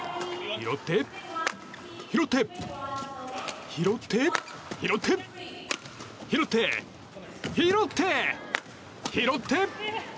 拾って、拾って、拾って拾って、拾って、拾って。